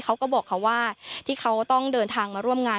เขาก็บอกเขาว่าที่เขาต้องเดินทางมาร่วมงาน